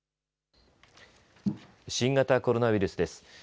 新型コロナウイルスです。